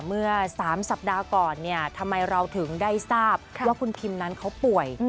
เมื่อ๓สัปดาห์ก่อนเนี่ยทำไมเราถึงได้ทราบว่าคุณพิมนั้นเขาป่วย